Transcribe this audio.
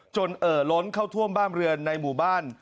เอ่อล้นเข้าท่วมบ้านเรือนในหมู่บ้าน